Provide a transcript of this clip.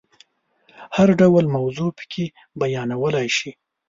هر ډول موضوع پکې بیانولای شي.